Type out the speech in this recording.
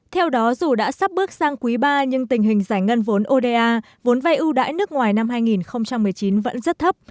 theo đó dù đã sắp bước sang quý ba nhưng tình hình giải ngân vốn oda vốn vay ưu đãi nước ngoài năm hai nghìn một mươi chín vẫn rất thấp